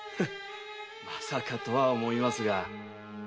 まさかとは思いますが。